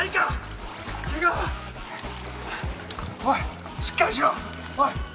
おいしっかりしろおい！